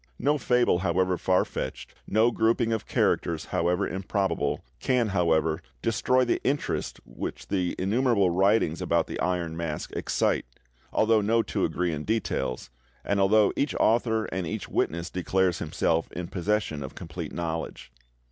No fable however far fetched, no grouping of characters however improbable, can, however, destroy the interest which the innumerable writings about the Iron Mask excite, although no two agree in details, and although each author and each witness declares himself in possession of complete knowledge.